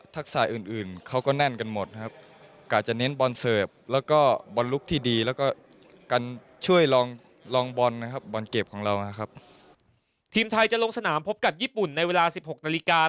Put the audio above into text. ทีมไทยจะลงสนามพบกับญี่ปุ่นในเวลา๑๖นาฬิกา